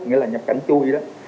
nghĩa là nhập cảnh chui đó